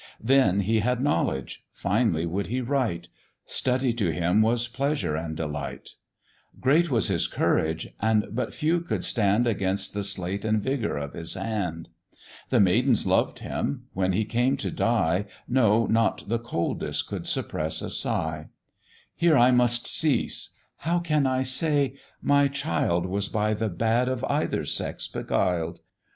Then, he had knowledge; finely would he write; Study to him was pleasure and delight; Great was his courage, and but few could stand Against the sleight and vigour of his hand; The maidens loved him; when he came to die, No, not the coldest could suppress a sigh: Here I must cease how can I say, my child Was by the bad of either sex beguiled?